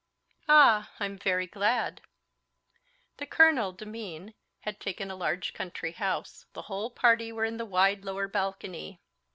"Ah, I'm very glad!" The colonel, Demin, had taken a large country house. The whole party were in the wide lower balcony.